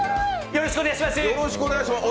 よろしくお願いします！